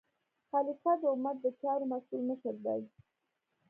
خلیفه د امت د چارو مسؤل مشر دی.